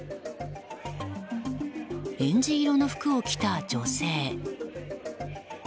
えんじ色の服を着た女性。